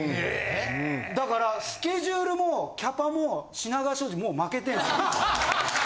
だからスケジュールもキャパも品川庄司もう負けてんすよ。